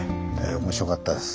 面白かったです。